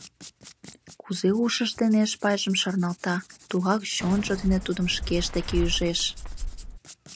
Кузе ушыж дене Эшпайжым шарналта, тугак чонжо дене тудым шкеж деке ӱжеш.